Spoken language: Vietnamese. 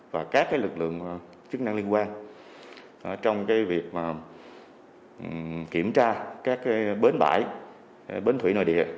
và các lực lượng chức năng liên quan trong việc kiểm tra các bến bãi bến thủy nội địa